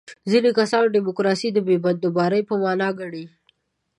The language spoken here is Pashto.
ځینې کسان دیموکراسي د بې بندوبارۍ په معنا ګڼي.